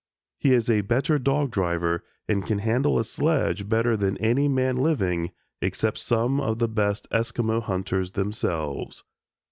He is a better dog driver and can handle a sledge better than any man living, except some of the best Esquimo hunters themselves.